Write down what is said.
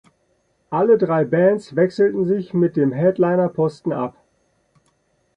Alle drei Bands wechselten sich mit dem Headliner-Posten ab.